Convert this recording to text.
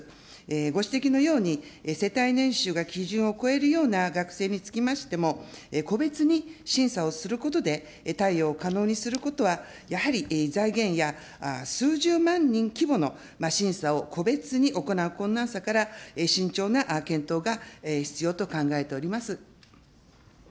ご指摘のように、世帯年収が基準を超えるような学生につきましても、個別に審査をすることで、貸与を可能にすることは、やはり財源や、数十万人規模の審査を個別に行う困難さから、慎重な検討が必要と考えております。